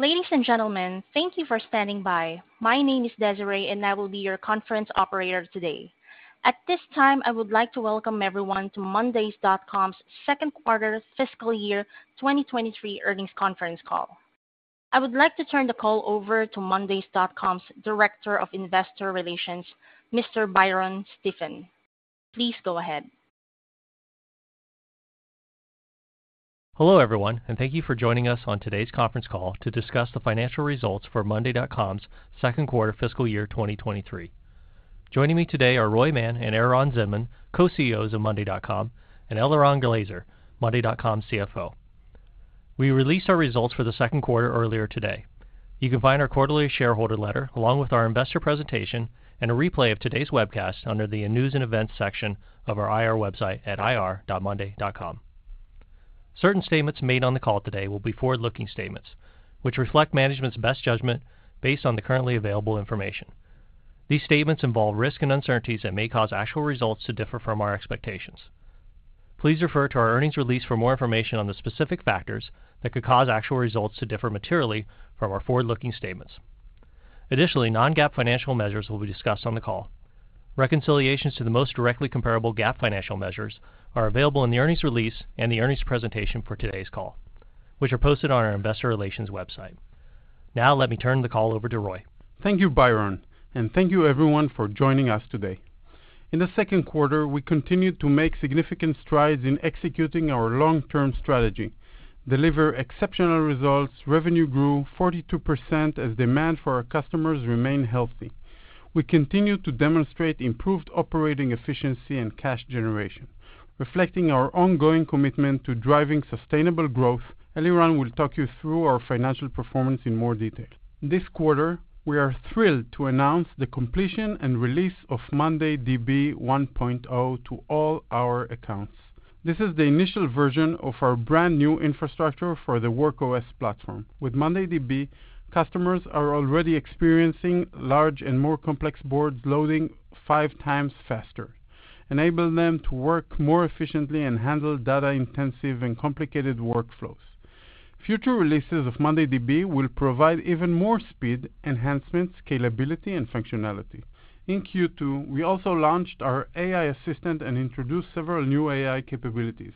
Ladies and gentlemen, thank you for standing by. My name is Desiree, and I will be your conference operator today. At this time, I would like to welcome everyone to monday.com's second quarter fiscal year 2023 Earnings Conference Call. I would like to turn the call over to monday.com's Director of Investor Relations, Mr. Byron Stephen. Please go ahead. Hello, everyone, and thank you for joining us on today's conference call to discuss the financial results for monday.com's second quarter fiscal year 2023. Joining me today are Roy Mann and Eran Zinman, co-CEOs of monday.com, and Eliran Glazer, monday.com's CFO. We released our results for the second quarter earlier today. You can find our quarterly shareholder letter, along with our investor presentation and a replay of today's webcast under the News and Events section of our IR website at ir.monday.com. Certain statements made on the call today will be forward-looking statements, which reflect management's best judgment based on the currently available information. These statements involve risks and uncertainties that may cause actual results to differ from our expectations. Please refer to our earnings release for more information on the specific factors that could cause actual results to differ materially from our forward-looking statements. Additionally, Non-GAAP financial measures will be discussed on the call. Reconciliations to the most directly comparable GAAP financial measures are available in the earnings release and the earnings presentation for today's call, which are posted on our Investor Relations website. Now, let me turn the call over to Roy. Thank you, Byron, and thank you, everyone, for joining us today. In the second quarter, we continued to make significant strides in executing our long-term strategy, deliver exceptional results. Revenue grew 42% as demand for our customers remained healthy. We continued to demonstrate improved operating efficiency and cash generation, reflecting our ongoing commitment to driving sustainable growth. Eliran will talk you through our financial performance in more detail. This quarter, we are thrilled to announce the completion and release of mondayDB 1.0 to all our accounts. This is the initial version of our brand-new infrastructure for the Work OS platform. With mondayDB, customers are already experiencing large and more complex boards loading 5 times faster, enabling them to work more efficiently and handle data-intensive and complicated workflows. Future releases of mondayDB will provide even more speed, enhancements, scalability, and functionality. In Q2, we also launched our AI assistant and introduced several new AI capabilities.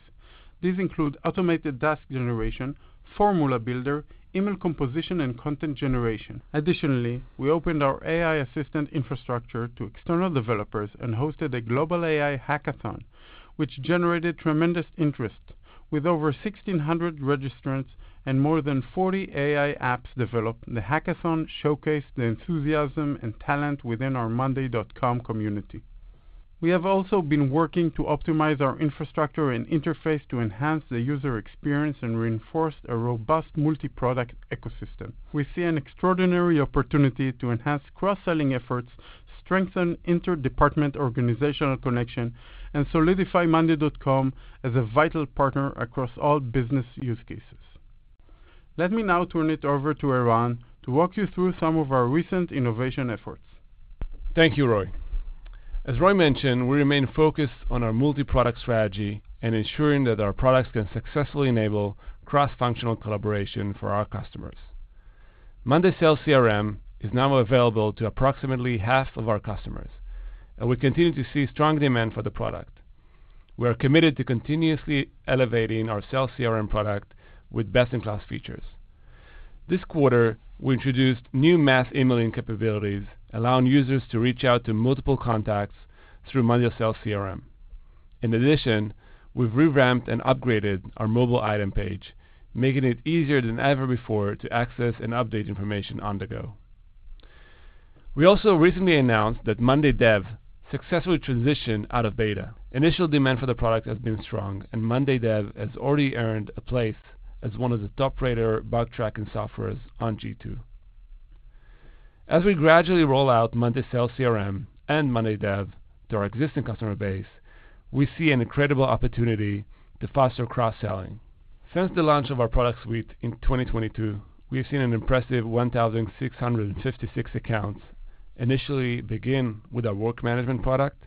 These include automated task generation, formula builder, email composition, and content generation. Additionally, we opened our AI assistant infrastructure to external developers and hosted a global AI Hackathon, which generated tremendous interest. With over 1,600 registrants and more than 40 AI apps developed, the hackathon showcased the enthusiasm and talent within our monday.com community. We have also been working to optimize our infrastructure and interface to enhance the user experience and reinforce a robust multi-product ecosystem. We see an extraordinary opportunity to enhance cross-selling efforts, strengthen inter-department organizational connection, and solidify monday.com as a vital partner across all business use cases. Let me now turn it over to Eran to walk you through some of our recent innovation efforts. Thank you, Roy. As Roy mentioned, we remain focused on our multi-product strategy and ensuring that our products can successfully enable cross-functional collaboration for our customers. monday sales CRM is now available to approximately half of our customers. We continue to see strong demand for the product. We are committed to continuously elevating our monday sales CRM product with best-in-class features. This quarter, we introduced new mass emailing capabilities, allowing users to reach out to multiple contacts through monday sales CRM. We've revamped and upgraded our mobile item page, making it easier than ever before to access and update information on the go. We also recently announced that monday dev successfully transitioned out of beta. Initial demand for the product has been strong. monday dev has already earned a place as one of the top-rated bug tracking softwares on G2. As we gradually roll out monday sales CRM and monday dev to our existing customer base, we see an incredible opportunity to foster cross-selling. Since the launch of our product suite in 2022, we've seen an impressive 1,656 accounts initially begin with our work management product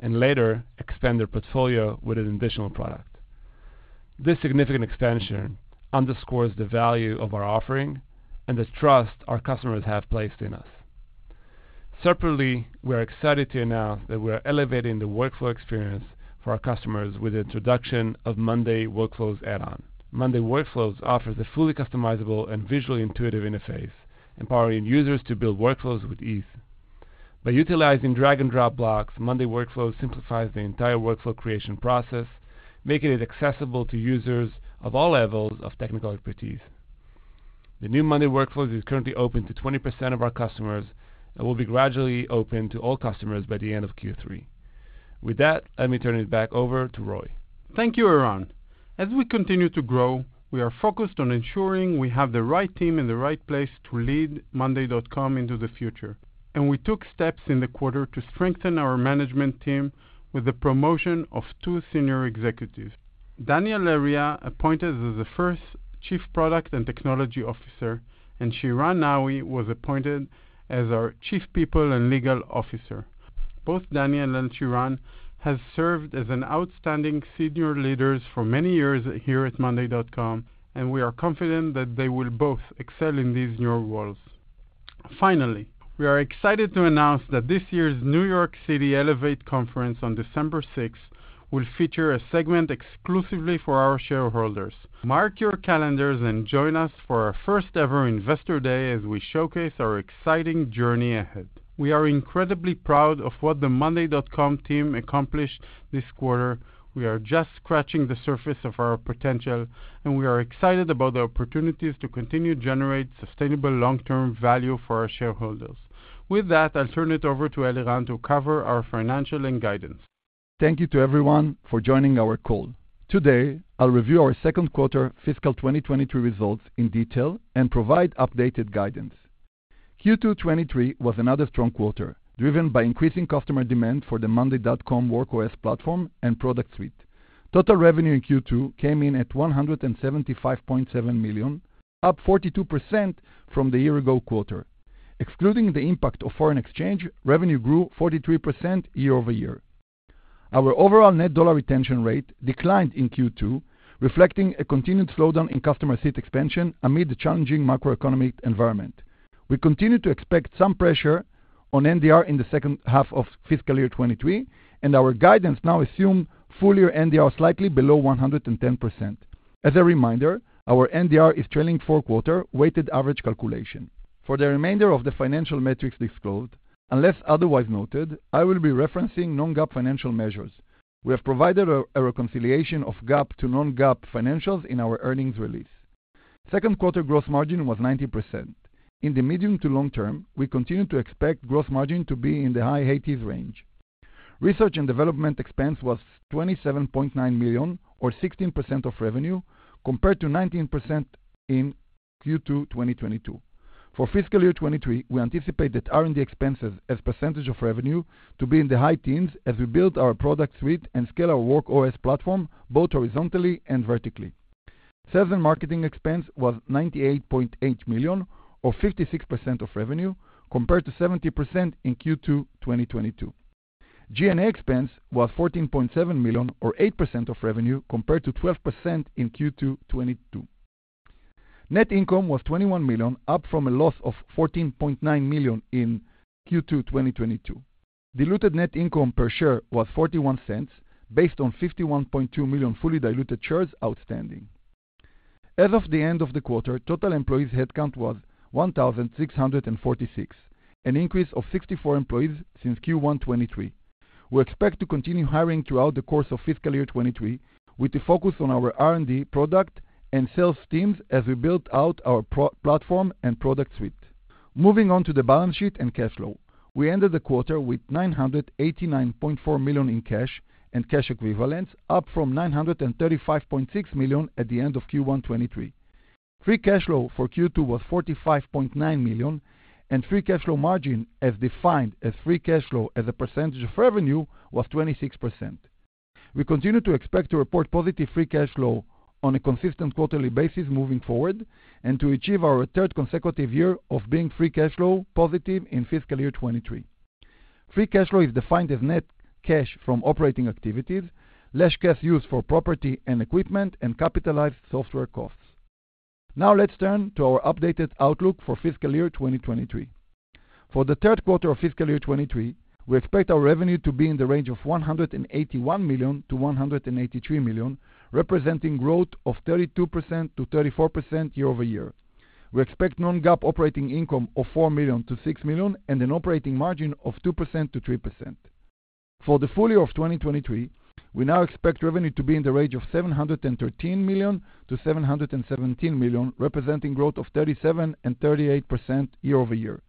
and later expand their portfolio with an additional product. This significant expansion underscores the value of our offering and the trust our customers have placed in us. Separately, we are excited to announce that we are elevating the workflow experience for our customers with the introduction of monday workflows add-on. monday workflows offers a fully customizable and visually intuitive interface, empowering users to build workflows with ease. By utilizing drag-and-drop blocks, monday workflows simplifies the entire workflow creation process, making it accessible to users of all levels of technical expertise. The new monday workflows is currently open to 20% of our customers and will be gradually open to all customers by the end of Q3. With that, let me turn it back over to Roy. Thank you, Eran. As we continue to grow, we are focused on ensuring we have the right team in the right place to lead monday.com into the future. We took steps in the quarter to strengthen our management team with the promotion of two senior executives. Daniel Lereya, appointed as the first Chief Product and Technology Officer, and Shiran Nawi was appointed as our Chief People and Legal Officer. Both Danny and Shiran have served as an outstanding senior leaders for many years here at monday.com, and we are confident that they will both excel in these new roles. Finally, we are excited to announce that this year's New York City Elevate Conference on December 6th, will feature a segment exclusively for our shareholders. Mark your calendars and join us for our first-ever Investor Day as we showcase our exciting journey ahead. We are incredibly proud of what the monday.com team accomplished this quarter. We are just scratching the surface of our potential, and we are excited about the opportunities to continue to generate sustainable long-term value for our shareholders. With that, I'll turn it over to Eliran to cover our financial and guidance. Thank you to everyone for joining our call. Today, I'll review our second quarter fiscal 2023 results in detail and provide updated guidance. Q2 2023 was another strong quarter, driven by increasing customer demand for the monday.com Work OS platform and product suite. Total revenue in Q2 came in at $175.7 million, up 42% from the year-ago quarter. Excluding the impact of foreign exchange, revenue grew 43% year-over-year. Our overall net dollar retention rate declined in Q2, reflecting a continued slowdown in customer seat expansion amid the challenging macroeconomic environment. We continue to expect some pressure on NDR in the second half of fiscal year 2023, and our guidance now assume full year NDR slightly below 110%. As a reminder, our NDR is trailing four quarter, weighted average calculation. For the remainder of the financial metrics disclosed, unless otherwise noted, I will be referencing Non-GAAP financial measures. We have provided a reconciliation of GAAP to Non-GAAP financials in our earnings release. Second quarter gross margin was 90%. In the medium to long term, we continue to expect gross margin to be in the high 80s range. Research and Development expense was $27.9 million or 16% of revenue, compared to 19% in Q2 2022. For fiscal year 2023, we anticipate that R&D expenses as a percentage of revenue to be in the high teens as we build our product suite and scale our Work OS platform, both horizontally and vertically. Sales and marketing expense was $98.8 million, or 56% of revenue, compared to 70% in Q2 2022. G&A expense was $14.7 million or 8% of revenue, compared to 12% in Q2 2022. Net income was $21 million, up from a loss of $14.9 million in Q2 2022. Diluted net income per share was $0.41, based on 51.2 million fully diluted shares outstanding. As of the end of the quarter, total employees headcount was 1,646, an increase of 64 employees since Q1 2023. We expect to continue hiring throughout the course of fiscal year 2023, with the focus on our R&D product and sales teams as we build out our pro- platform and product suite. Moving on to the balance sheet and cash flow. We ended the quarter with $989.4 million in cash and cash equivalents, up from $935.6 million at the end of Q1 2023. Free cash flow for Q2 was $45.9 million, and free cash flow margin, as defined as free cash flow as a percentage of revenue, was 26%. We continue to expect to report positive free cash flow on a consistent quarterly basis moving forward, and to achieve our third consecutive year of being free cash flow positive in fiscal year 2023. Free cash flow is defined as net cash from operating activities, less cash used for property and equipment, and capitalized software costs. Now, let's turn to our updated outlook for fiscal year 2023. For the third quarter of fiscal year 2023, we expect our revenue to be in the range of $181 million-$183 million, representing growth of 32%-34% year-over-year. We expect non-GAAP operating income of $4 million-$6 million, and an operating margin of 2%-3%. For the full year of 2023, we now expect revenue to be in the range of $713 million-$717 million, representing growth of 37 and 38% year-over-year.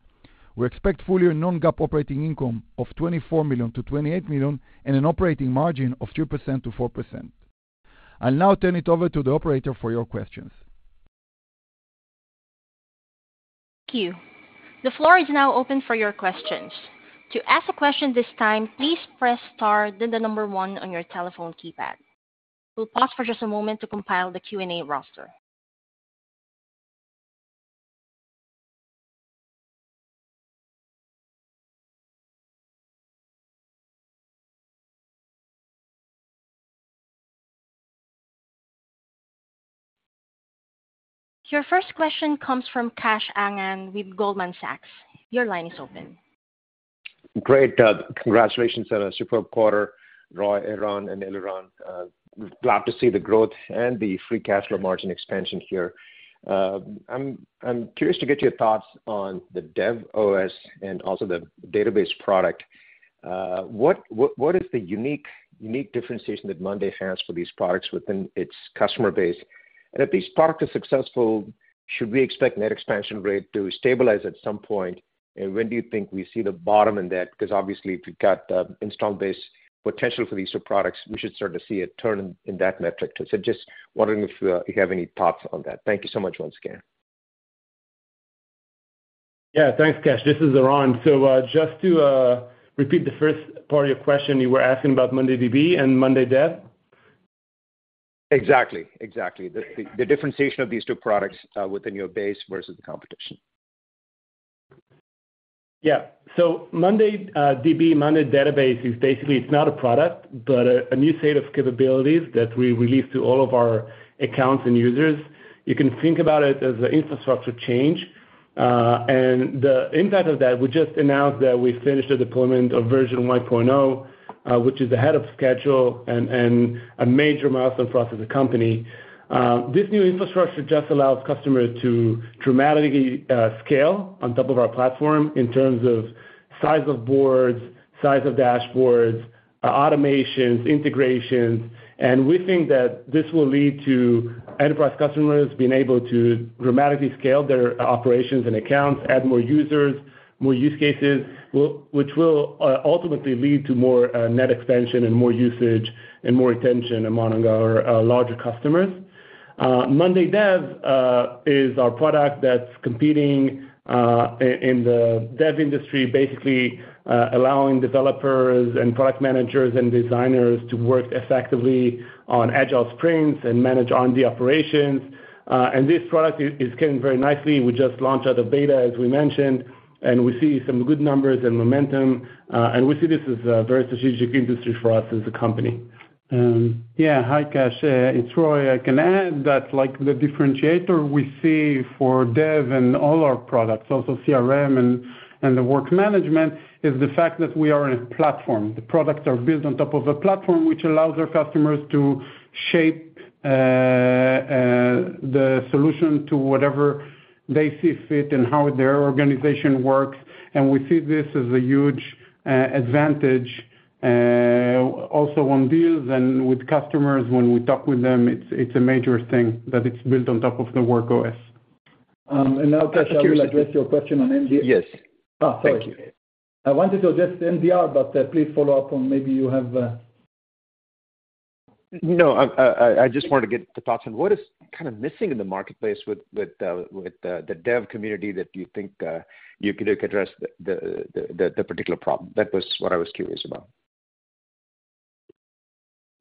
We expect full year non-GAAP operating income of $24 million-$28 million, and an operating margin of 2%-4%. I'll now turn it over to the operator for your questions. Thank you. The floor is now open for your questions. To ask a question this time, please press star, then the number one on your telephone keypad. We'll pause for just a moment to compile the Q&A roster. Your first question comes from Kash Rangan with Goldman Sachs. Your line is open. Great. Congratulations on a superb quarter, Roy, Eran, and Eliran. Glad to see the growth and the free cash flow margin expansion here. I'm curious to get your thoughts on the Dev OS and also the database product. What is the unique, unique differentiation that monday.com has for these products within its customer base? If this product is successful, should we expect net expansion rate to stabilize at some point? When do you think we see the bottom in that? Because obviously, if you've got the install base potential for these two products, we should start to see a turn in, in that metric, too. Just wondering if you have any thoughts on that. Thank you so much once again. Yeah, thanks, Kash. This is Eran. Just to repeat the first part of your question, you were asking about MondayDB and monday dev? Exactly, exactly. The, the differentiation of these two products, within your base versus the competition. Yeah. mondayDB, monday Database is basically, it's not a product, but a new set of capabilities that we release to all of our accounts and users. You can think about it as an infrastructure change. The impact of that, we just announced that we finished the deployment of version 1.0, which is ahead of schedule and a major milestone for us as a company. This new infrastructure just allows customers to dramatically scale on top of our platform in terms of size of boards, size of dashboards, automations, integrations. We think that this will lead to enterprise customers being able to dramatically scale their operations and accounts, add more users, more use cases, which will ultimately lead to more net expansion and more usage and more attention among our larger customers. monday dev is our product that's competing in the dev industry, basically, allowing developers and product managers and designers to work effectively on agile sprints and manage R&D operations. This product is going very nicely. We just launched out the beta, as we mentioned, and we see some good numbers and momentum, and we see this as a very strategic industry for us as a company. Yeah, hi, Kash, it's Roy. I can add that, like, the differentiator we see for monday dev and all our products, also CRM and, and the work management, is the fact that we are a platform. The products are built on top of a platform, which allows our customers to shape, the solution to whatever they see fit and how their organization works. We see this as a huge, advantage, also on deals and with customers, when we talk with them, it's, it's a major thing, that it's built on top of the Work OS. Now I will address your question on NDR. Yes. Sorry. Thank you. I wanted to address NDR, but, please follow up on maybe you have… No, I, I, I just wanted to get the thoughts on what is kind of missing in the marketplace with, with, with the, the Dev community that you think, you could address the, the, the, the particular problem? That was what I was curious about.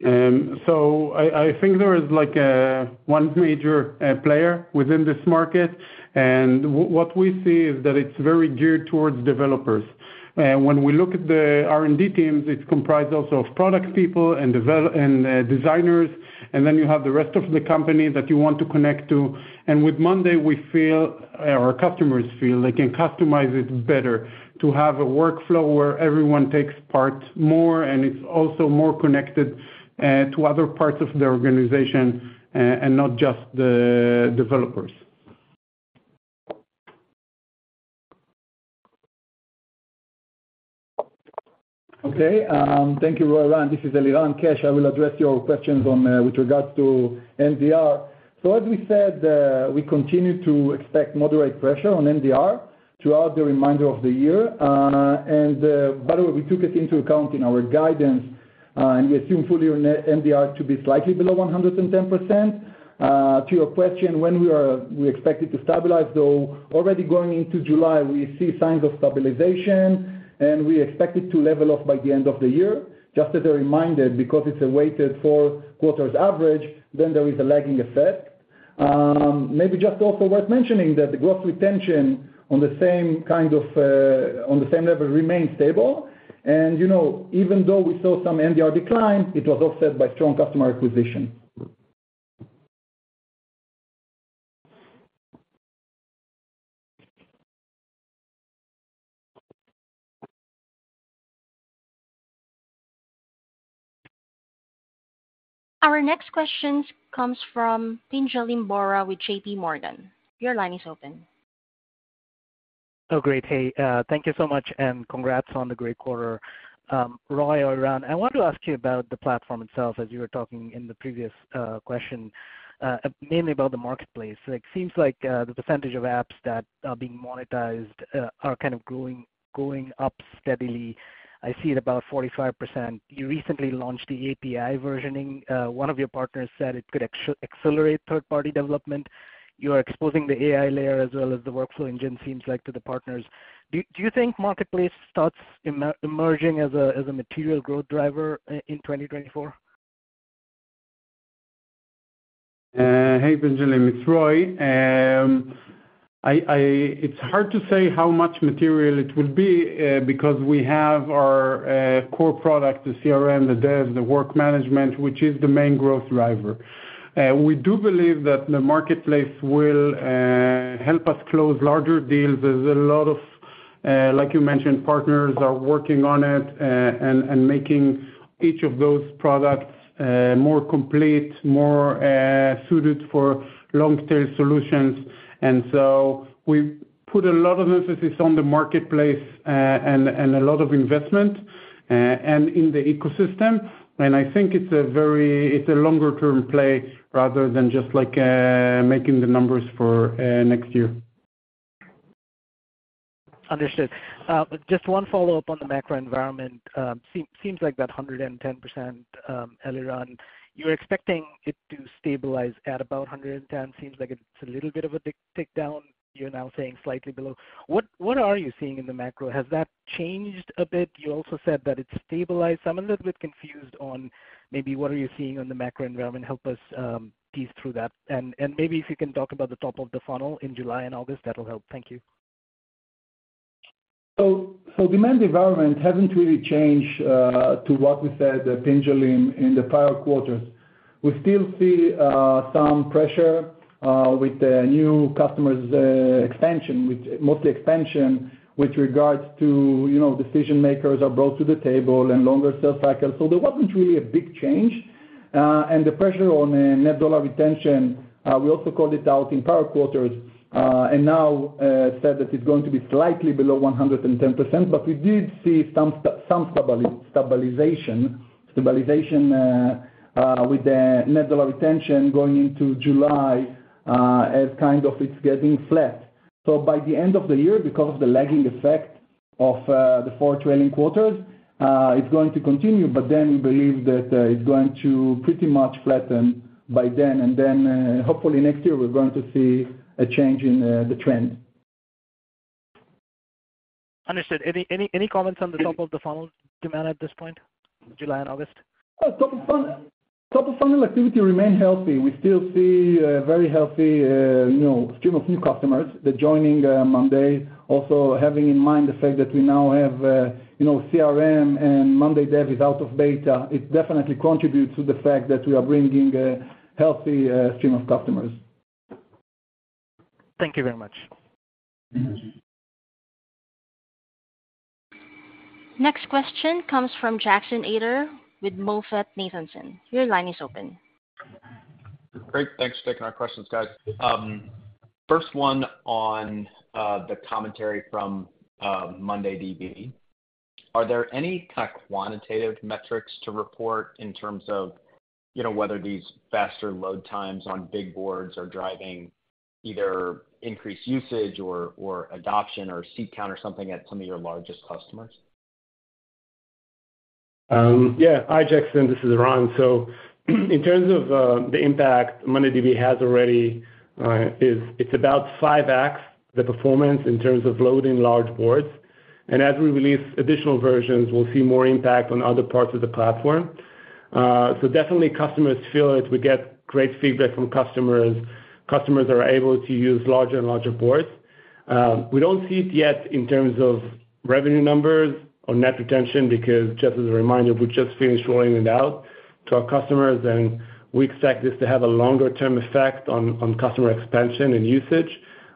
I, I think there is, like, a one major player within this market, and what we see is that it's very geared towards developers. When we look at the R&D teams, it's comprised also of product people and designers, and then you have the rest of the company that you want to connect to. With Monday, we feel, or our customers feel, they can customize it better to have a workflow where everyone takes part more, and it's also more connected to other parts of the organization, and not just the developers. Okay, thank you, Roy. This is Eliran. Kash, I will address your questions with regards to NDR. As we said, we continue to expect moderate pressure on NDR throughout the remainder of the year. And, by the way, we took it into account in our guidance, and we assume fully on NDR to be slightly below 110%. To your question, when we expect it to stabilize, though, already going into July, we see signs of stabilization, and we expect it to level off by the end of the year. Just as a reminder, because it's a weighted four quarters average, then there is a lagging effect. Maybe just also worth mentioning that the growth retention on the same kind of, on the same level remains stable. You know, even though we saw some NDR decline, it was offset by strong customer acquisition. Our next question comes from Pinjalin Bora with JP Morgan. Your line is open. Oh, great. Hey, thank you so much, and congrats on the great quarter. Roy, Elran, I want to ask you about the platform itself, as you were talking in the previous question, mainly about the marketplace. It seems like the percentage of apps that are being monetized are kind of growing, going up steadily. I see it about 45%. You recently launched the API versioning. One of your partners said it could accelerate third-party development. You are exposing the AI layer as well as the workflow engine, seems like, to the partners. Do you think marketplace starts emerging as a, as a material growth driver in 2024? Hey, Pinjalim, it's Roy. It's hard to say how much material it would be because we have our core product, the CRM, the Dev, the work management, which is the main growth driver. We do believe that the marketplace will help us close larger deals. There's a lot of, like you mentioned, partners are working on it and making each of those products more complete, more suited for long-term solutions. So we put a lot of emphasis on the marketplace and a lot of investment in the ecosystem. I think it's a very, it's a longer-term play rather than just like making the numbers for next year.... Understood. Just one follow-up on the macro environment. Seems like that 110%, Eliran, you're expecting it to stabilize at about 110. Seems like it's a little bit of a tick down. You're now saying slightly below. What, what are you seeing in the macro? Has that changed a bit? You also said that it's stabilized. I'm a little bit confused on maybe what are you seeing on the macro environment. Help us tease through that. Maybe if you can talk about the top of the funnel in July and August, that'll help. Thank you. Demand environment hasn't really changed to what we said generally in the prior quarters. We still see some pressure with the new customers, expansion, which mostly expansion, with regards to, you know, decision makers are brought to the table and longer sales cycles. There wasn't really a big change. The pressure on net dollar retention, we also called it out in prior quarters, and now said that it's going to be slightly below 110%. We did see some stabilization with the net dollar retention going into July, as kind of it's getting flat. By the end of the year, because of the lagging effect of the four trailing quarters, it's going to continue, but then we believe that it's going to pretty much flatten by then. Hopefully next year, we're going to see a change in the trend. Understood. Any, any, any comments on the top of the funnel demand at this point, July and August? Top of funnel activity remain healthy. We still see very healthy, you know, stream of new customers that joining Monday. Also, having in mind the fact that we now have, you know, CRM and monday dev is out of beta, it definitely contributes to the fact that we are bringing a healthy stream of customers. Thank you very much. Next question comes from Jackson Ader with MoffettNathanson. Your line is open. Great. Thanks for taking our questions, guys. First one on the commentary from mondayDB. Are there any kind of quantitative metrics to report in terms of, you know, whether these faster load times on big boards are driving either increased usage or, or adoption or seat count or something at some of your largest customers? Yeah. Hi, Jackson, this is Eran. In terms of the impact mondayDB has already, is it's about 5x the performance in terms of loading large boards. As we release additional versions, we'll see more impact on other parts of the platform. Definitely customers feel it. We get great feedback from customers. Customers are able to use larger and larger boards. We don't see it yet in terms of revenue numbers or net retention, because just as a reminder, we just finished rolling it out to our customers, and we expect this to have a longer term effect on customer expansion and usage.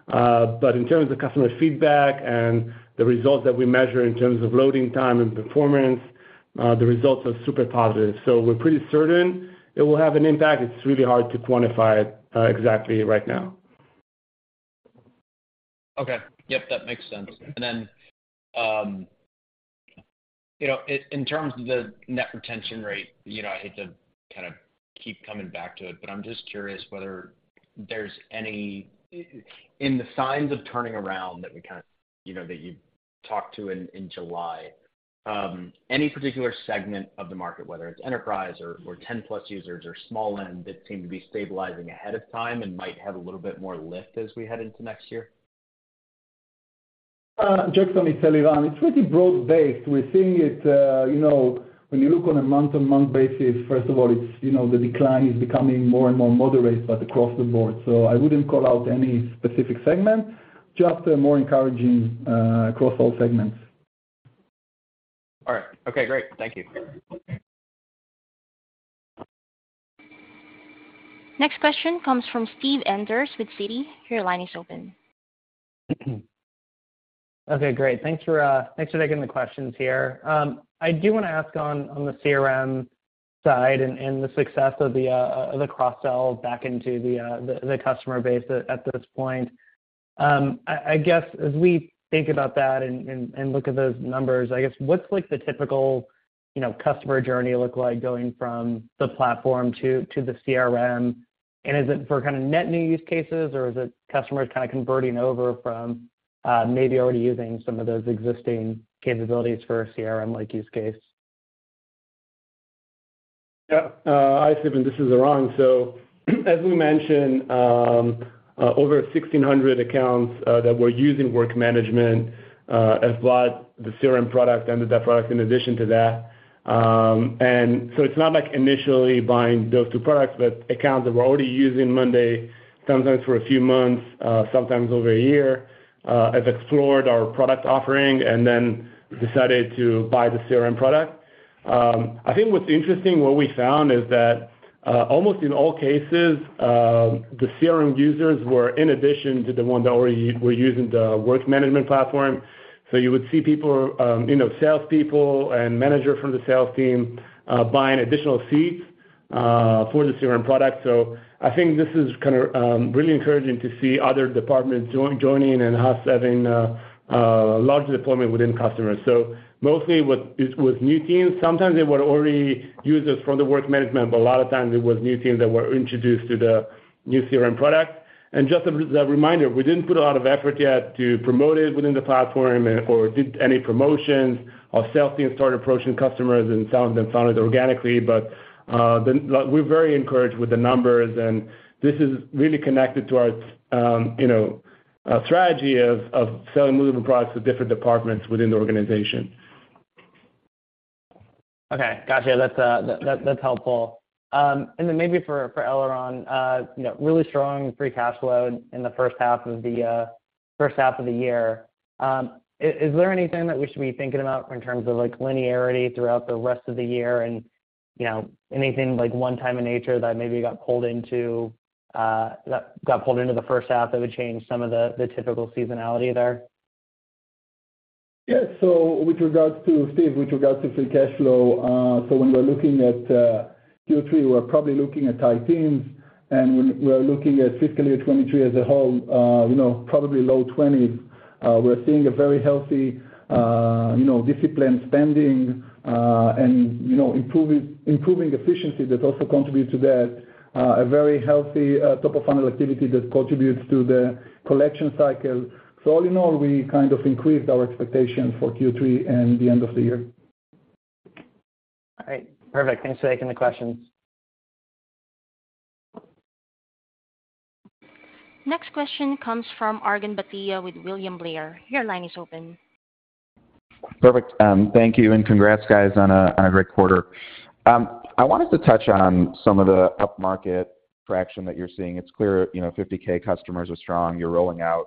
In terms of customer feedback and the results that we measure in terms of loading time and performance, the results are super positive. We're pretty certain it will have an impact. It's really hard to quantify it exactly right now. Okay. Yep, that makes sense. Okay. Then, you know, in terms of the net retention rate, you know, I hate to kind of keep coming back to it, but I'm just curious whether there's any in the signs of turning around that we kind of, you know, that you talked to in, in July, any particular segment of the market, whether it's enterprise or, or 10 plus users or small end, that seem to be stabilizing ahead of time and might have a little bit more lift as we head into next year? Jackson, it's Eliran. It's pretty broad-based. We're seeing it, you know, when you look on a month-on-month basis, first of all, it's, you know, the decline is becoming more and more moderate. Across the board. I wouldn't call out any specific segment, just a more encouraging across all segments. All right. Okay, great. Thank you. Next question comes from Steve Enders with Citi. Your line is open. Okay, great. Thanks for, thanks for taking the questions here. I do want to ask on, on the CRM side and, and the success of the cross-sell back into the, the customer base at, at this point. I, I guess as we think about that and, and, and look at those numbers, I guess what's like the typical, you know, customer journey look like going from the platform to, to the CRM? Is it for kind of net new use cases, or is it customers kind of converting over from, maybe already using some of those existing capabilities for a CRM-like use case? Yeah. Hi, Steve, this is Eran. As we mentioned, over 1,600 accounts that were using work management have bought the CRM product and the dev product in addition to that. It's not like initially buying those two products, but accounts that were already using monday.com, sometimes for a few months, sometimes over a year, have explored our product offering and then decided to buy the CRM product. I think what's interesting, what we found is that almost in all cases, the CRM users were in addition to the one that already were using the work management platform. You would see people, you know, salespeople and manager from the sales team buying additional seats for the CRM product. I think this is kind of really encouraging to see other departments joining and us having a large deployment within customers. Mostly with new teams. Sometimes they were already users from the work management, but a lot of times it was new teams that were introduced to the new CRM product. Just as a reminder, we didn't put a lot of effort yet to promote it within the platform or did any promotions. Our sales team started approaching customers and selling them, sell it organically. Then, like, we're very encouraged with the numbers, and this is really connected to our, you know, strategy of selling moving products to different departments within the organization. Okay, got you. That's, that, that's helpful. Then maybe for, for Eliran, you know, really strong free cash flow in the first half of the, first half of the year. Is, is there anything that we should be thinking about in terms of, like, linearity throughout the rest of the year? You know, anything like one time in nature that maybe got pulled into, that got pulled into the first half that would change some of the, the typical seasonality there? Yes. With regards to, Steve, with regards to free cash flow, so when we're looking at Q3, we're probably looking at high teens, and when we're looking at fiscal year 2023 as a whole, you know, probably low twenties. We're seeing a very healthy, you know, disciplined spending, and, you know, improving, improving efficiency that also contributes to that, a very healthy, top of funnel activity that contributes to the collection cycle. All in all, we kind of increased our expectations for Q3 and the end of the year. All right. Perfect. Thanks for taking the questions. Next question comes from Arjun Bhatia with William Blair. Your line is open. Perfect. Thank you, and congrats, guys, on a great quarter. I wanted to touch on some of the upmarket traction that you're seeing. It's clear, you know, 50K customers are strong. You're rolling out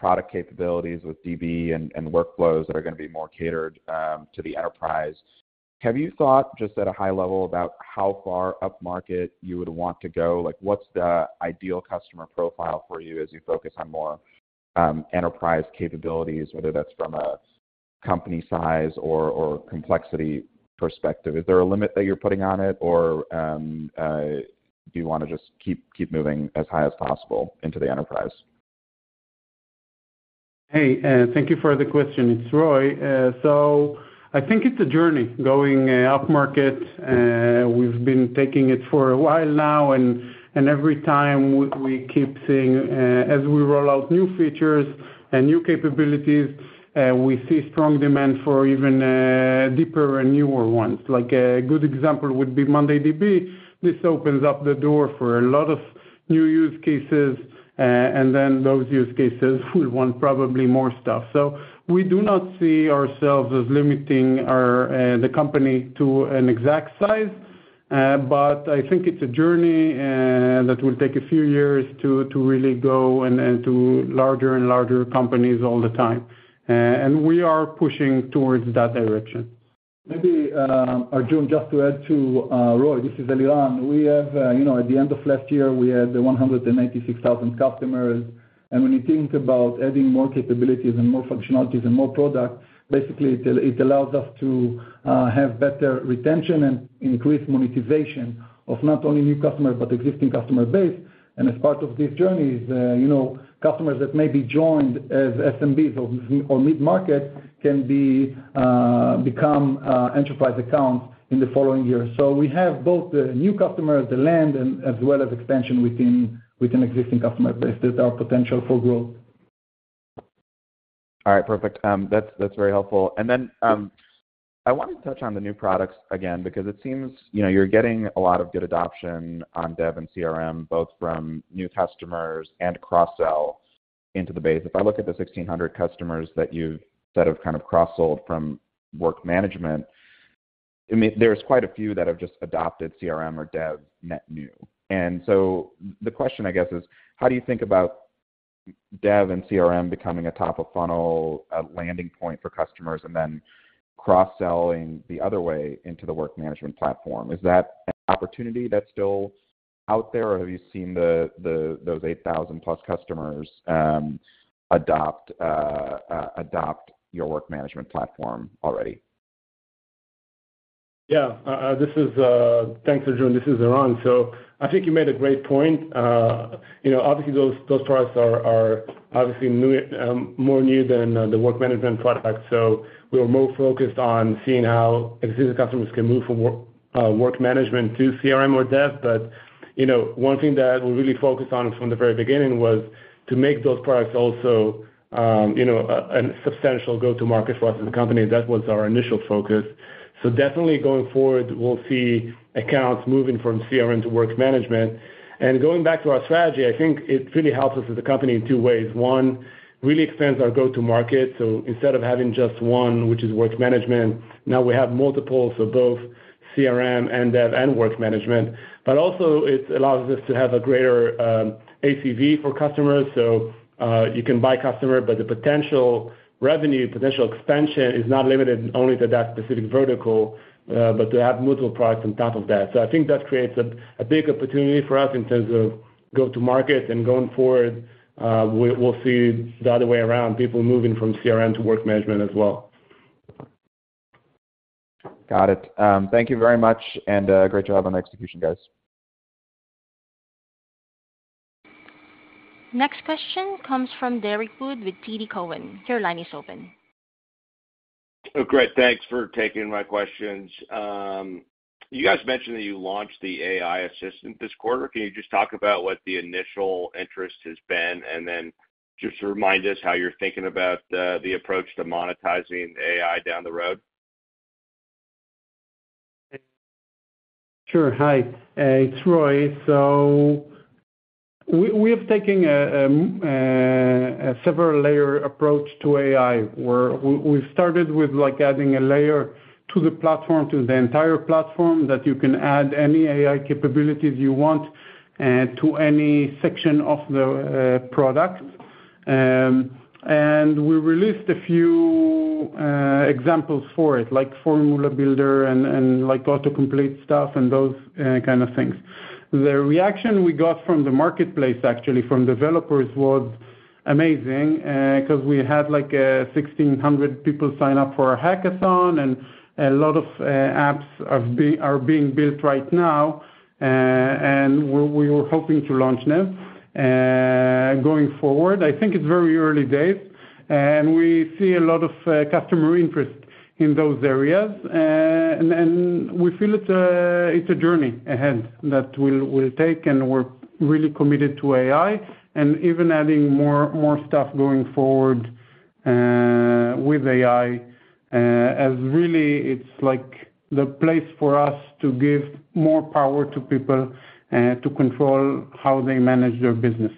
product capabilities with DB and Workflows that are gonna be more catered to the enterprise. Have you thought, just at a high level, about how far upmarket you would want to go? Like, what's the ideal customer profile for you as you focus on more enterprise capabilities, whether that's from a company size or complexity perspective? Is there a limit that you're putting on it, or, do you wanna just keep moving as high as possible into the enterprise? Hey, thank you for the question. It's Roy. I think it's a journey going upmarket. We've been taking it for a while now, and, and every time we, we keep seeing, as we roll out new features and new capabilities, we see strong demand for even deeper and newer ones. Like, a good example would be mondayDB. This opens up the door for a lot of new use cases, and then those use cases will want probably more stuff. We do not see ourselves as limiting our, the company to an exact size, but I think it's a journey that will take a few years to, to really go and, and to larger and larger companies all the time. We are pushing towards that direction. Maybe, Arjun, just to add to Roy, this is Eliran. We have, you know, at the end of last year, we had 196,000 customers. When you think about adding more capabilities and more functionalities and more products, basically it allows us to have better retention and increased monetization of not only new customers, but existing customer base. As part of these journeys, you know, customers that maybe joined as SMBs or mid-market can become enterprise accounts in the following years. We have both the new customers, the land, and as well as expansion within an existing customer base. There's our potential for growth. All right. Perfect. That's, that's very helpful. I wanted to touch on the new products again, because it seems, you know, you're getting a lot of good adoption on Dev and CRM, both from new customers and cross-sell into the base. If I look at the 1,600 customers that have kind of cross-sold from work management, I mean, there's quite a few that have just adopted CRM or Dev net new. The question, I guess, is: How do you think about Dev and CRM becoming a top-of-funnel, landing point for customers and then cross-selling the other way into the work management platform? Is that an opportunity that's still out there, or have you seen the those 8,000 plus customers adopt your work management platform already? Yeah. Thanks, Arjun. This is Eliran. I think you made a great point. you know, obviously, those, those products are, are obviously new, more new than the work management products, so we are more focused on seeing how existing customers can move from work, work management to CRM or Dev. you know, one thing that we really focused on from the very beginning was to make those products also, you know, a, a substantial go-to market for us as a company. That was our initial focus. Definitely going forward, we'll see accounts moving from CRM to work management. Going back to our strategy, I think it really helps us as a company in two ways. One, really extends our go-to market. Instead of having just one, which is work management, now we have multiple, so both CRM and Dev and work management. Also it allows us to have a greater ACV for customers, so you can buy customer, but the potential revenue, potential expansion is not limited only to that specific vertical, but to have multiple products on top of that. I think that creates a big opportunity for us in terms of go-to market, and going forward, we'll see the other way around, people moving from CRM to work management as well. Got it. Thank you very much, and great job on the execution, guys. Next question comes from Derrick Wood with TD Cowen. Your line is open. Oh, great. Thanks for taking my questions. You guys mentioned that you launched the AI assistant this quarter. Can you just talk about what the initial interest has been? Then just remind us how you're thinking about the, the approach to monetizing AI down the road. Sure. Hi, it's Roy. We have taken a several layer approach to AI, where we started with like adding a layer to the platform, to the entire platform, that you can add any AI capabilities you want, to any section of the product. We released a few examples for it, like formula builder and like autocomplete stuff and those kind of things. The reaction we got from the marketplace, actually, from developers, was amazing, 'cause we had, like, 1,600 people sign up for an AI Hackathon, and a lot of apps are being built right now. We were hoping to launch them. Going forward, I think it's very early days, and we see a lot of customer interest in those areas. We feel it's a, it's a journey ahead that we'll, we'll take, and we're really committed to AI, and even adding more, more stuff going forward, with AI. As really, it's like the place for us to give more power to people, to control how they manage their business.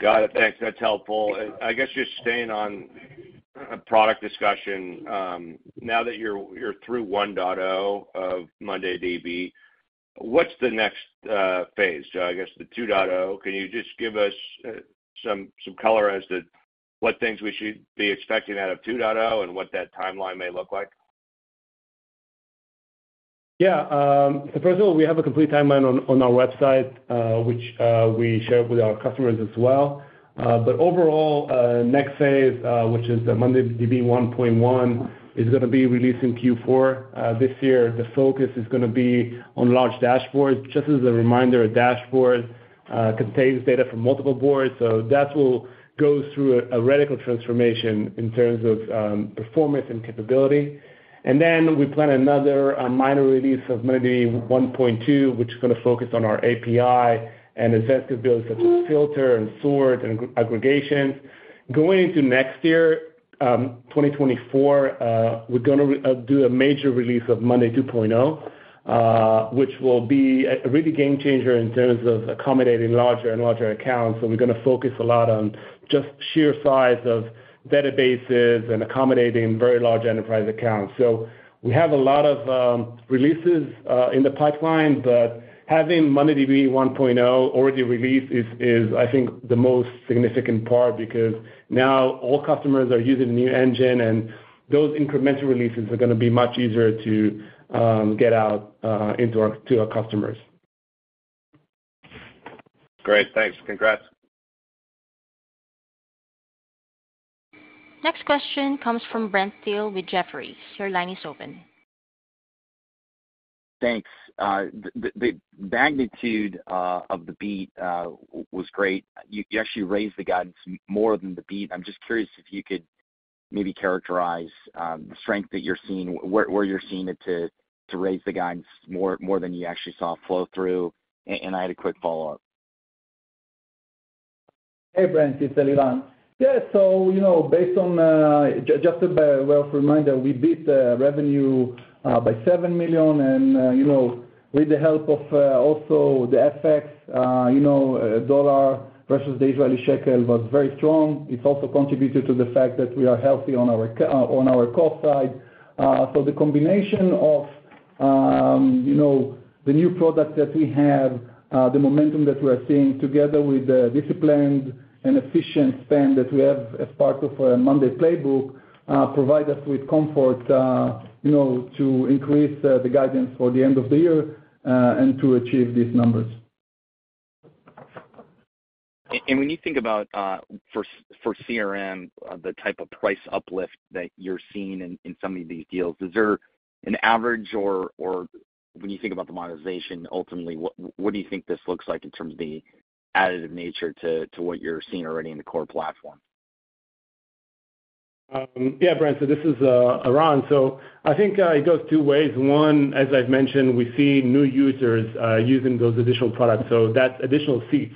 Got it. Thanks. That's helpful. I guess just staying on product discussion, now that you're, you're through 1.0 of mondayDB, what's the next phase? I guess, the 2.0, can you just give us some color as to what things we should be expecting out of 2.0 and what that timeline may look like? First of all, we have a complete timeline on our website, which we share with our customers as well. Overall, next phase, which is the mondayDB 1.1, is gonna be released in Q4. This year, the focus is gonna be on large dashboards. Just as a reminder, a dashboard contains data from multiple boards, that will go through a radical transformation in terms of performance and capability. Then we plan another minor release of mondayDB 1.2, which is gonna focus on our API and advanced capabilities, such as filter and sort and aggregation. Going into next year, 2024, we're gonna re- do a major release of mondayDB 2.0, which will be a really game changer in terms of accommodating larger and larger accounts. We're gonna focus a lot on just sheer size of databases and accommodating very large enterprise accounts. We have a lot of releases in the pipeline, but having mondayDB 1.0 already released is, is I think, the most significant part, because now all customers are using the new engine, and those incremental releases are gonna be much easier to get out into our, to our customers. Great! Thanks. Congrats. Next question comes from Brent Thill, with Jefferies. Your line is open. Thanks. The, the, the magnitude of the beat was great. You, you actually raised the guidance more than the beat. I'm just curious if you could maybe characterize the strength that you're seeing, where, where you're seeing it to, to raise the guidance more, more than you actually saw flow through. I had a quick follow-up. Hey, Brent, it's Eliran. Yeah, you know, based on just a way of reminder, we beat the revenue by $7 million, and, you know, with the help of also the FX, you know, dollar versus the Israeli shekel was very strong. It's also contributed to the fact that we are healthy on our cost side. The combination of, you know, the new product that we have, the momentum that we are seeing together with the disciplined and efficient spend that we have as part of our monday playbook, provide us with comfort, you know, to increase the guidance for the end of the year and to achieve these numbers. When you think about, for CRM, the type of price uplift that you're seeing in some of these deals, is there an average or when you think about the monetization, ultimately, what do you think this looks like in terms of the additive nature to what you're seeing already in the core platform? Brent, this is Eran. I think it goes 2 ways. One, as I've mentioned, we see new users using those additional products, so that's additional seats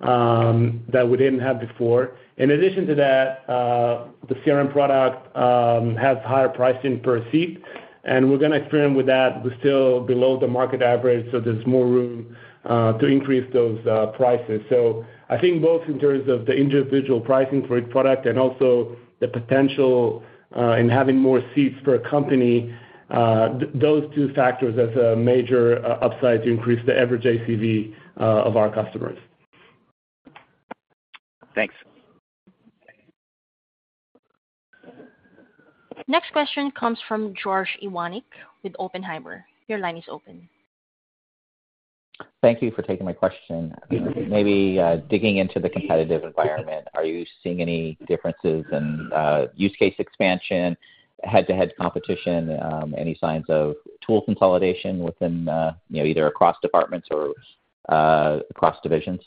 that we didn't have before. In addition to that, the CRM product has higher pricing per seat, and we're gonna experiment with that. We're still below the market average, so there's more room to increase those prices. I think both in terms of the individual pricing for each product and also the potential in having more seats per company, those 2 factors as a major upside to increase the average ACV of our customers. Thanks. Next question comes from George Iwanyc with Oppenheimer. Your line is open. Thank you for taking my question. Maybe, digging into the competitive environment, are you seeing any differences in use case expansion, head-to-head competition, any signs of tool consolidation within, you know, either across departments or across divisions?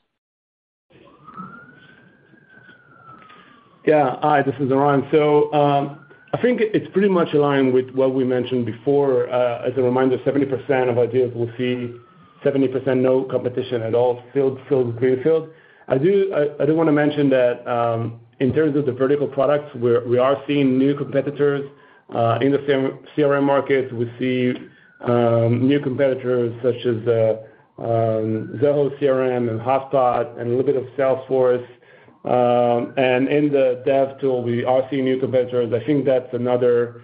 Yeah. Hi, this is Eran. I think it's pretty much aligned with what we mentioned before. As a reminder, 70% of our deals will see, 70% no competition at all, field, field, green field. I do want to mention that, in terms of the vertical products, we're, we are seeing new competitors. In the CRM market, we see new competitors such as Zoho CRM and HubSpot and a little bit of Salesforce. In the dev tool, we are seeing new competitors. I think that's another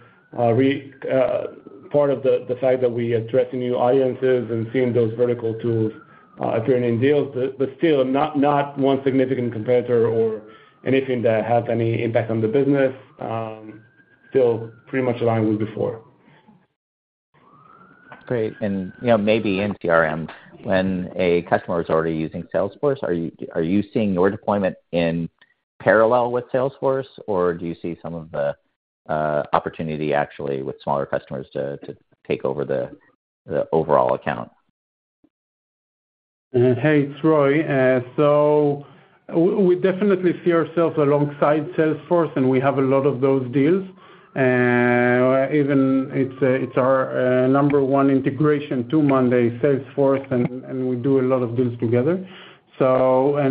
part of the fact that we addressing new audiences and seeing those vertical tools appearing in deals. Still not one significant competitor or anything that has any impact on the business. Still pretty much aligned with before. Great. You know, maybe in CRM, when a customer is already using Salesforce, are you, are you seeing your deployment in parallel with Salesforce? Or do you see some of the opportunity actually with smaller customers to, to take over the overall account? Hey, it's Roy. We, we definitely see ourselves alongside Salesforce, and we have a lot of those deals. Even it's, it's our number one integration to Monday, Salesforce, and we do a lot of deals together.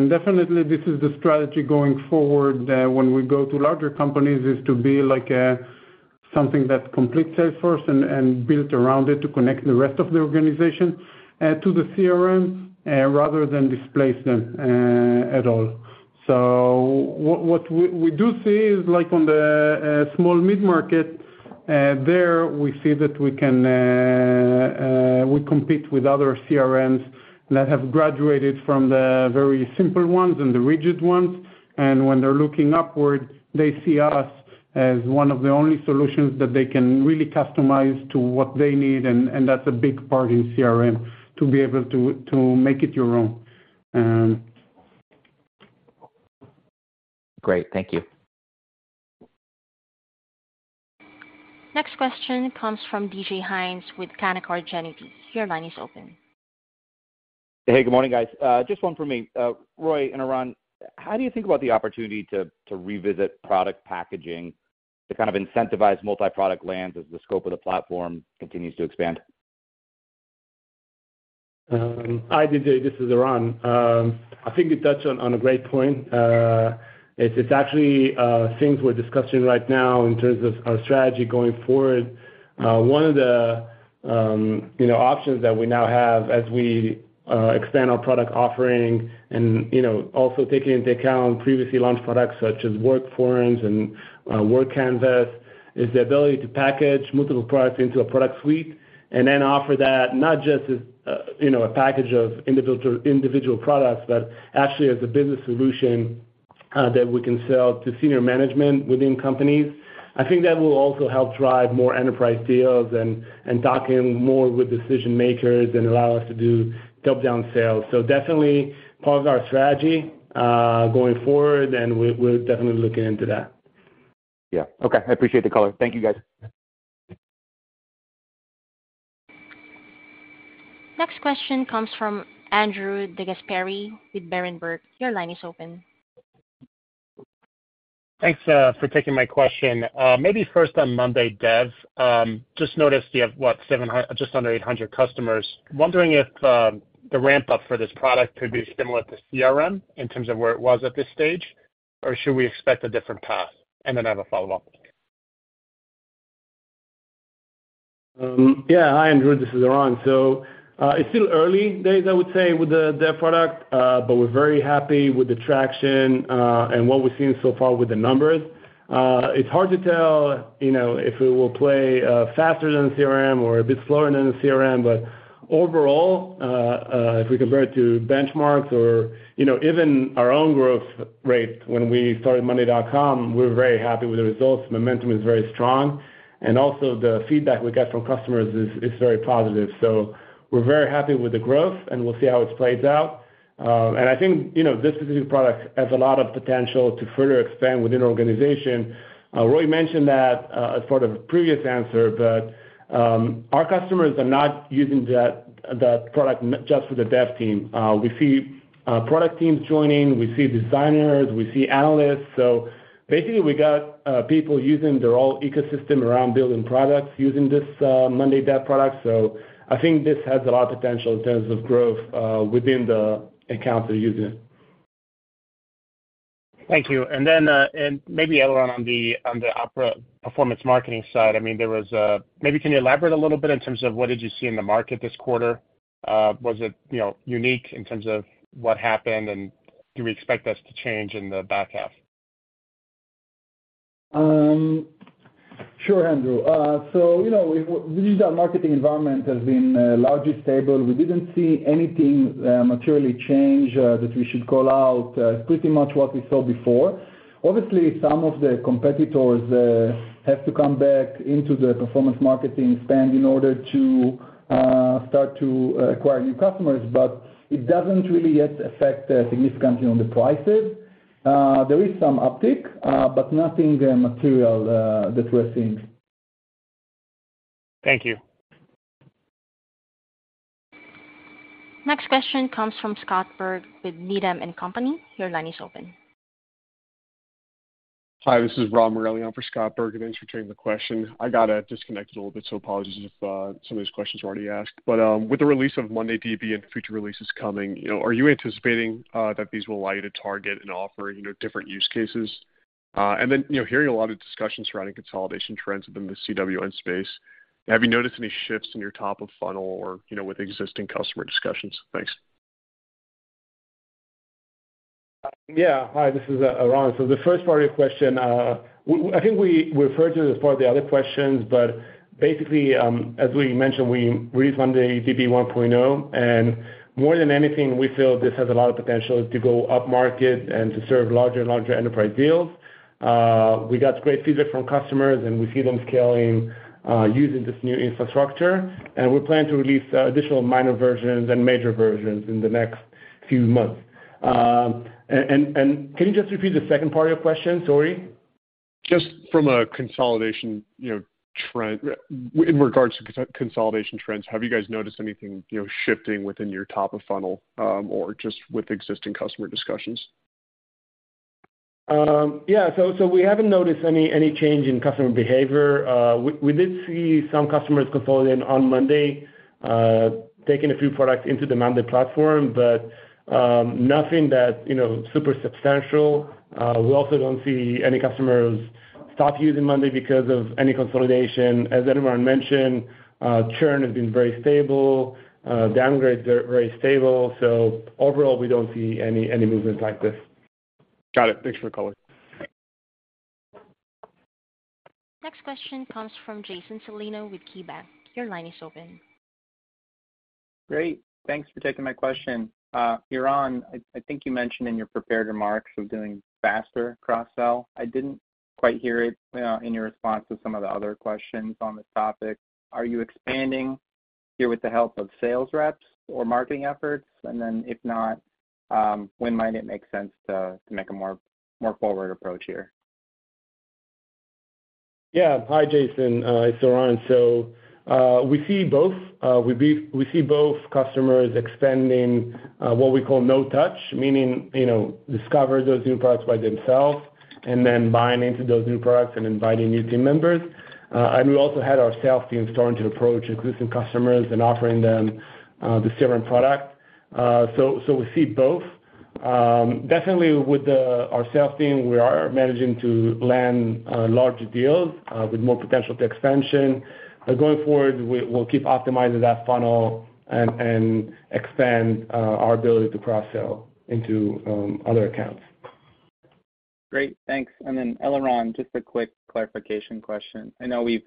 Definitely this is the strategy going forward, when we go to larger companies, is to be like a something that completes Salesforce and built around it to connect the rest of the organization to the CRM, rather than displace them at all. What, what we, we do see is like on the small mid-market, there we see that we can, we compete with other CRMs that have graduated from the very simple ones and the rigid ones, and when they're looking upward, they see us as one of the only solutions that they can really customize to what they need, and, and that's a big part in CRM, to be able to, to make it your own. Great. Thank you. Next question comes from DJ Hynes with Canaccord Genuity. Your line is open. Hey, good morning, guys. just one for me. Roy and Eran, how do you think about the opportunity to, to revisit product packaging to kind of incentivize multi-product lands as the scope of the platform continues to expand? Hi, DJ, this is Eran. I think you touched on, on a great point. It's, it's actually, things we're discussing right now in terms of our strategy going forward. One of the, you know, options that we now have as we expand our product offering and, you know, also taking into account previously launched products such as WorkForms and WorkCanvas, is the ability to package multiple products into a product suite. Then offer that, not just as, you know, a package of individual, individual products, but actually as a business solution, that we can sell to senior management within companies. I think that will also help drive more enterprise deals and, and talk in more with decision makers and allow us to do top-down sales. Definitely part of our strategy going forward, and we're, we're definitely looking into that. Yeah. Okay, I appreciate the call. Thank you, guys. Next question comes from Andrew DeGasperi with Berenberg. Your line is open. Thanks for taking my question. Maybe first on monday dev, just noticed you have, what, just under 800 customers. Wondering if the ramp-up for this product could be similar to CRM in terms of where it was at this stage, or should we expect a different path? Then I have a follow-up. Yeah. Hi, Andrew, this is Eran. It's still early days, I would say, with the Dev product, but we're very happy with the traction and what we've seen so far with the numbers. It's hard to tell, you know, if it will play faster than the CRM or a bit slower than the CRM. Overall, if we compare it to benchmarks or, you know, even our own growth rate when we started monday.com, we're very happy with the results. Momentum is very strong, and also the feedback we get from customers is very positive. We're very happy with the growth, and we'll see how it plays out. I think, you know, this specific product has a lot of potential to further expand within an organization. Roy mentioned that, as part of a previous answer. Our customers are not using that, that product just for the dev team. We see product teams joining, we see designers, we see analysts. Basically, we got people using their all ecosystem around building products, using this monday dev product. I think this has a lot of potential in terms of growth within the accounts they're using. Thank you. Then, maybe, Eran, on the, on the performance marketing side, I mean, Maybe can you elaborate a little bit in terms of what did you see in the market this quarter? Was it, you know, unique in terms of what happened, and do we expect this to change in the back half? Sure, Andrew. You know, the lead gen marketing environment has been largely stable. We didn't see anything materially change that we should call out, pretty much what we saw before. Obviously, some of the competitors have to come back into the performance marketing spend in order to start to acquire new customers, but it doesn't really yet affect significantly on the prices. There is some uptick, but nothing material that we're seeing. Thank you. Next question comes from Scott Berg with Needham and Company. Your line is open. Hi, this is Rob Morelli on for Scott Berg. Thanks for taking the question. I got disconnected a little bit, apologies if some of these questions were already asked. With the release of mondayDB and future releases coming, you know, are you anticipating that these will allow you to target and offer, you know, different use cases? Then, you know, hearing a lot of discussions surrounding consolidation trends within the CWM space, have you noticed any shifts in your top of funnel or, you know, with existing customer discussions? Thanks. Yeah. Hi, this is Eran. The first part of your question, I think we referred to this part of the other questions, but basically, as we mentioned, we released mondayDB 1.0, and more than anything, we feel this has a lot of potential to go upmarket and to serve larger and larger enterprise deals. We got great feedback from customers, and we see them scaling, using this new infrastructure. We plan to release additional minor versions and major versions in the next few months. Can you just repeat the second part of your question? Sorry. Just from a consolidation, you know, trend, in regards to consolidation trends, have you guys noticed anything, you know, shifting within your top of funnel, or just with existing customer discussions? Yeah. So we haven't noticed any, any change in customer behavior. We, we did see some customers consolidate on Monday, taking a few products into the Monday platform, but nothing that, you know, super substantial. We also don't see any customers stop using Monday because of any consolidation. As Eliran mentioned, churn has been very stable, downgrades are very stable. Overall, we don't see any, any movement like this. Got it. Thanks for the call. Next question comes from Jason Celino with KeyBanc. Your line is open. Great, thanks for taking my question. Eran, I, I think you mentioned in your prepared remarks of doing faster cross-sell. I didn't quite hear it in your response to some of the other questions on this topic. Are you expanding here with the help of sales reps or marketing efforts? Then, if not, when might it make sense to, to make a more, more forward approach here? Yeah. Hi, Jason, it's Eran. We see both. We see both customers expanding what we call no touch, meaning, you know, discover those new products by themselves and then buying into those new products and inviting new team members. We also had our sales team starting to approach existing customers and offering them the different products. We see both. Definitely with the, our sales team, we are managing to land larger deals with more potential to expansion. Going forward, we, we'll keep optimizing that funnel and, and expand our ability to cross-sell into other accounts. Great, thanks. Eliran, just a quick clarification question. I know we've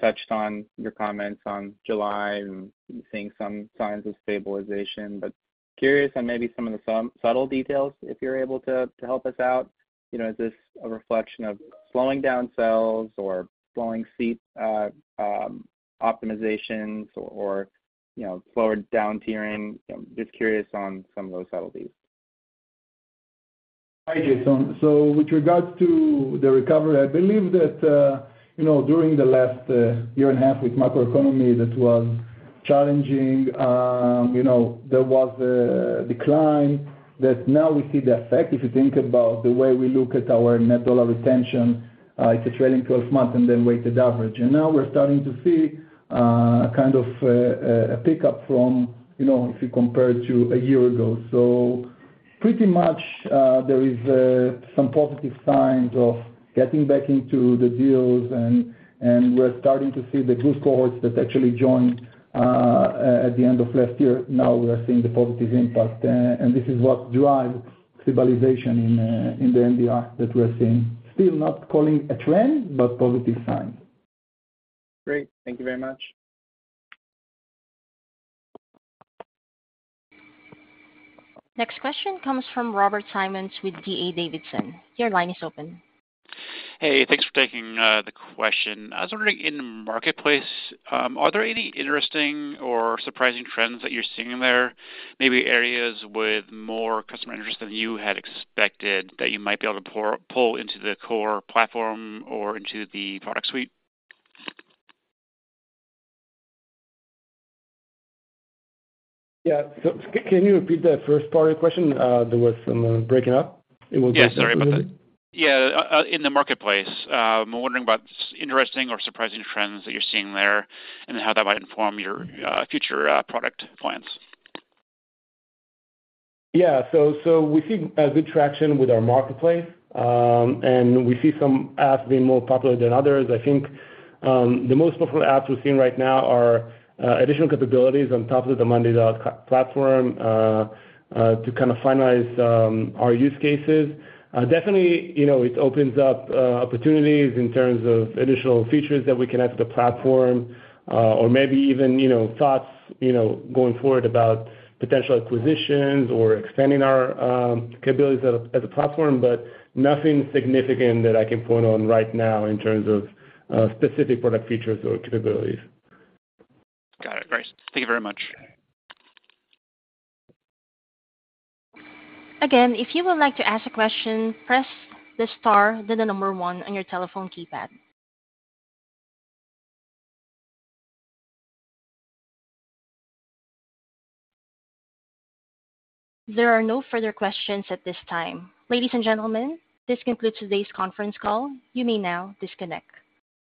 touched on your comments on July and seeing some signs of stabilization, but curious on maybe some of the subtle details, if you're able to help us out. You know, is this a reflection of slowing down sales or slowing seat optimizations or, you know, slower down tiering? Just curious on some of those subtleties. Hi, Jason. With regards to the recovery, I believe that, you know, during the last year and a half with macroeconomy, that was challenging. You know, there was a decline that now we see the effect. If you think about the way we look at our net dollar retention, it's a trailing 12-month and then weighted average. Now we're starting to see, kind of, a pickup from, you know, if you compare to a year ago. Pretty much, there is some positive signs of getting back into the deals, and we're starting to see the good cohorts that actually joined at the end of last year. Now we are seeing the positive impact, and this is what drives stabilization in the NDR that we're seeing. Still not calling a trend, but positive signs. Great. Thank you very much. Next question comes from Robert Simmons with D.A. Davidson. Your line is open. Hey, thanks for taking the question. I was wondering, in the marketplace, are there any interesting or surprising trends that you're seeing there? Maybe areas with more customer interest than you had expected, that you might be able to pull into the core platform or into the product suite? Yeah. Can you repeat the first part of your question? There was some breaking up. Yeah, sorry about that. Yeah, in the marketplace, I'm wondering about interesting or surprising trends that you're seeing there and how that might inform your future product plans? Yeah. We see a good traction with our marketplace, and we see some apps being more popular than others. I think, the most popular apps we're seeing right now are additional capabilities on top of the monday.com platform, to kind of finalize our use cases. Definitely, you know, it opens up opportunities in terms of additional features that we can add to the platform, or maybe even, you know, thoughts, you know, going forward about potential acquisitions or extending our capabilities as a platform, but nothing significant that I can point on right now in terms of specific product features or capabilities. Got it. Great. Thank you very much. Again, if you would like to ask a question, press the star, then the number one on your telephone keypad. There are no further questions at this time. Ladies and gentlemen, this concludes today's conference call. You may now disconnect.